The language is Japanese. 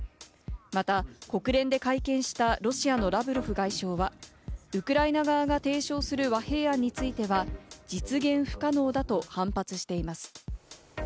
また国連で会見したロシアのラブロフ外相は、ウクライナ側が提唱する和平案については実現不可能だと反発しています。